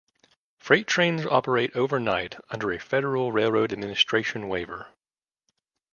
Freight trains operate overnight under a Federal Railroad Administration waiver.